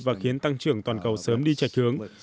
và khiến tăng trưởng toàn cầu sớm đi chạch hướng